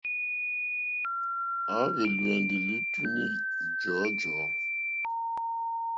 À wóhwì lùwɛ̀ndì lítúní jɔ̀ɔ́jɔ̀ɔ́.